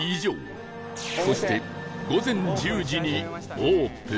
そして午前１０時にオープン